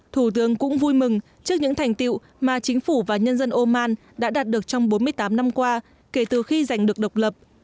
thủ tướng cũng vui mừng trước những thành tiệu mà chính phủ và nhân dân oman đã đạt được trong bốn mươi tám năm qua kể từ khi giành được độc lập